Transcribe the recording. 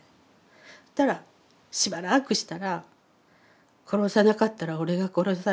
そしたらしばらくしたら「殺さなかったら俺が殺された」。